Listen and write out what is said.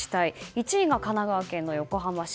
１位が神奈川県の横浜市。